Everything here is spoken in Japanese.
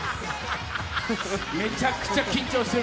めちゃくちゃ緊張してる。